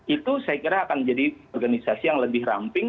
itu saya kira akan jadi organisasi yang lebih ramping